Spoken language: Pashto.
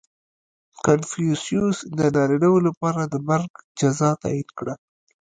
• کنفوسیوس د نارینهوو لپاره د مرګ جزا تعیین کړه.